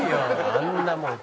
あんなもう」